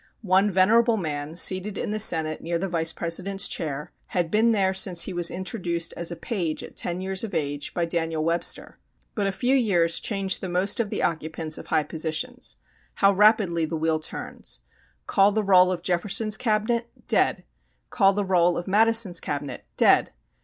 One venerable man, seated in the Senate near the Vice President's chair, had been there since he was introduced as a page at 10 years of age by Daniel Webster. But a few years change the most of the occupants of high positions. How rapidly the wheel turns. Call the roll of Jefferson's Cabinet? Dead! Call the roll of Madison's Cabinet? Dead!